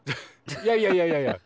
いやいやいやいや。